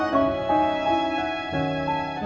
aku mau ke rumah